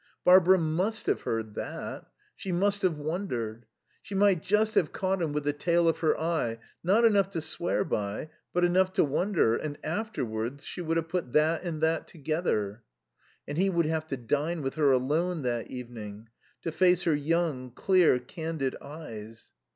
Barbara must have heard that; she must have wondered. She might just have caught him with the tail of her eye, not enough to swear by, but enough to wonder; and afterwards she would have put that and that together. And he would have to dine with her alone that evening, to face her young, clear, candid eyes.